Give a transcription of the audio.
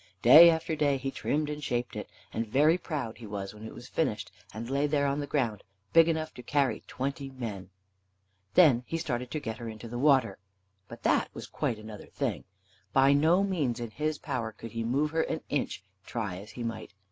Day after day he trimmed and shaped it, and very proud he was when it was finished and lay there on the ground, big enough to carry twenty men. Then he started to get her into the water. But that was quite another thing. By no means in his power could he move her an inch, try as he might.